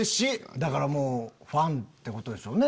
だからもうファンってことですよね？